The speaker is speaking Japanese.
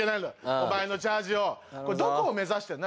お前のチャージをこれどこを目指してんの？